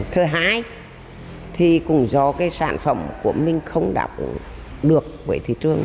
thứ hai thì cũng do cái sản phẩm của mình không đảm bảo được với thị trường